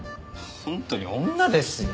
本当に女ですよ。